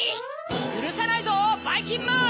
ゆるさないぞばいきんまん！